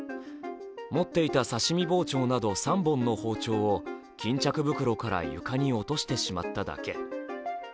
持っていた刺身包丁など３本の包丁を巾着袋から床に落としてしまっただけ。